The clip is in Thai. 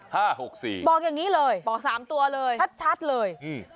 หกสี่บอกอย่างงี้เลยบอกสามตัวเลยชัดชัดเลยอืม